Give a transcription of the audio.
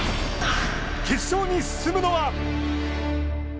決勝に進むのは？